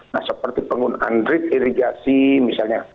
nah seperti penggunaan rit irigasi misalnya